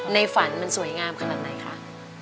ในฝันมันสวยงามขนาดไหนคะ